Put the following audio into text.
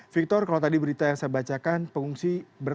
victor kalau tadi berita yang saya bacakan pengungsi